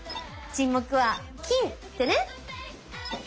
沈黙は「金」ってね！